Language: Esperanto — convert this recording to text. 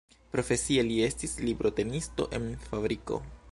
Profesie li estis librotenisto en fabriko.